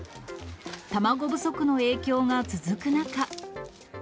卵不足の影響が続く中。